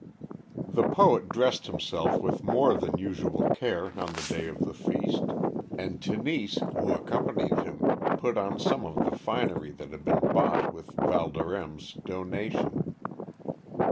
The poet dressed himself with more than usual care on the day of the feast, and Tenise, who accompanied him, put on some of the finery that had been bought with Valdorême's donation.